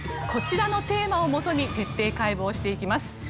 こちらのテーマをもとに徹底解剖していきます。